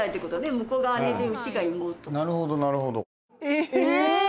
え！